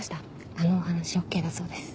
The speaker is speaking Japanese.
あのお話ＯＫだそうです。